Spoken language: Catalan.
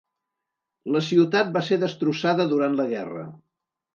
La ciutat va ser destrossada durant la guerra.